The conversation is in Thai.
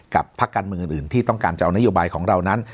พักการเมืองอื่นที่ต้องการจะเอานโยบายของเรานั้น